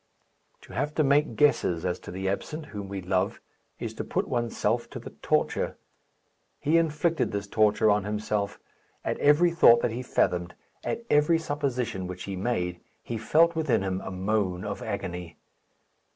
To have to make guesses as to the absent whom we love is to put oneself to the torture. He inflicted this torture on himself. At every thought that he fathomed, at every supposition which he made, he felt within him a moan of agony.